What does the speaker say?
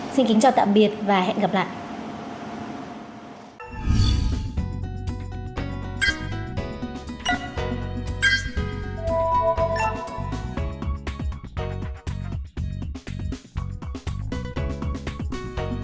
xin kính chào tạm biệt và hẹn gặp lại